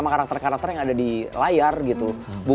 sama karakter karakter yang ada di layar gitu ya